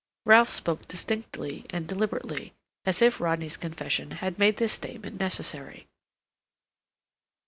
Ralph spoke distinctly and deliberately, as if Rodney's confession had made this statement necessary.